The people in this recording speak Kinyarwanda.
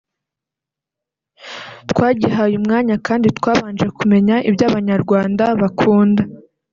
twagihaye umwanya kandi twabanje kumenya ibyo Abanyarwanda bakunda